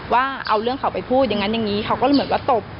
ว่าเอาเรื่องเขาไปพูดอย่างนั้นอย่างนี้เขาก็เลยเหมือนว่าตบ